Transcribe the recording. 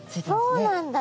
あっそうなんだ。